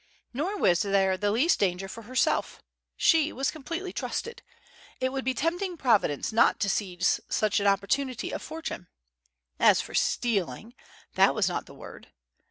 Nor was there the least danger for herself. She was completely trusted. It would be tempting Providence not to seize such an opportunity of fortune! As for "stealing," that was not the word.